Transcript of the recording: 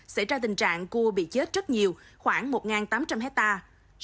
xảy ra tình trạng cua bị chết rất nhiều khoảng một tám trăm linh hectare